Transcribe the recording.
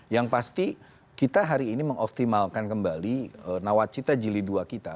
yang pasti kita hari ini mengoptimalkan kembali nawacita jilid dua kita